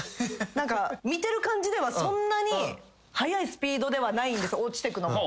見てる感じではそんなに速いスピードではないんです落ちてくの。